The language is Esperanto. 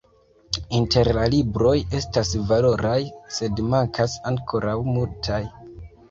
Inter la libroj estas valoraj, sed mankas ankoraŭ multaj.